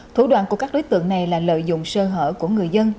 thủ đoàn của các đối tượng này là lợi dụng sơ hở của người dân